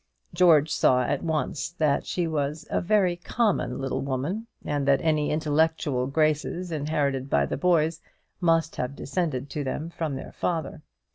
George saw at once that she was a very common little woman, and that any intellectual graces inherited by the boys must have descended to them from their father.